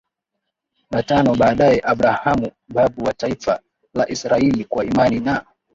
na tano Baadaye Abrahamu babu wa taifa la Israeli kwa imani na